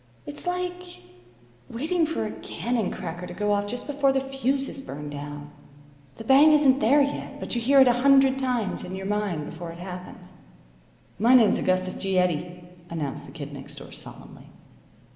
It's like waiting for a cannon cracker to go off just before the fuse is burned down. The bang isn't there yet, but you hear it a hundred times in your mind before it happens." "My name's Augustus G. Eddy," announced the Kid Next Door, solemnly.